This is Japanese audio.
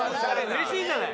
嬉しいじゃない。